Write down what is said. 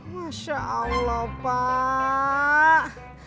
masya allah pak